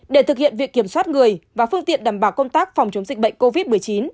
để thực hiện việc kiểm soát người và phương tiện đảm bảo công tác phòng chống dịch bệnh covid một mươi chín